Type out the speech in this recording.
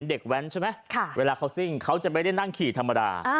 แว้นใช่ไหมเวลาเขาซิ่งเขาจะไม่ได้นั่งขี่ธรรมดา